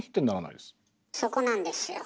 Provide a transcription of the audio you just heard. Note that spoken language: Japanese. そこなんですよ。